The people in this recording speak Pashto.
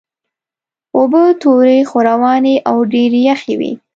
اوبه تورې خو روانې او ډېرې یخې وې.